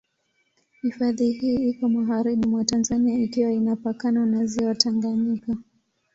Hifadhi hii iko magharibi mwa Tanzania ikiwa inapakana na Ziwa Tanganyika.